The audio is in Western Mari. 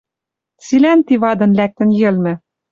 Цилӓн ти вады лӓктӹн йӹлмӹ